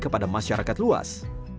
kepada masyarakat luas